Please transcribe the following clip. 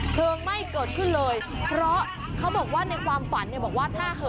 ไหม้เกิดขึ้นเลยเพราะเขาบอกว่าในความฝันเนี่ยบอกว่าถ้า